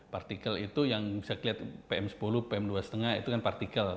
partikel itu yang bisa kelihatan pm sepuluh pm dua lima itu kan partikel